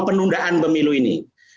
penundaan pemilu ini